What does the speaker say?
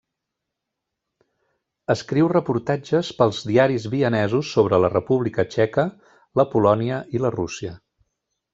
Escriu reportatges per diaris vienesos sobre la República Txeca, la Polònia i la Rússia.